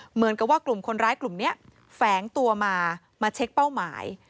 เหมือนกับว่ากลุ่มคนร้ายกลุ่มนี้แฝงตัวมามาเช็คเป้าหมาย